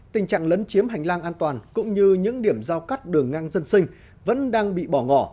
tình trạng lấn chiếm hành lang an toàn cũng như những điểm giao cắt đường ngang dân sinh vẫn đang bị bỏ ngỏ